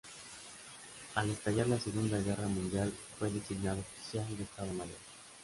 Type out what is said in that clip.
Al estallar la Segunda Guerra Mundial fue designado oficial de Estado Mayor.